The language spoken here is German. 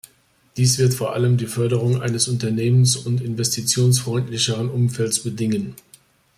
Dies wird vor allem die Förderung eines unternehmens- und investitionsfreundlicheren Umfelds bedingen.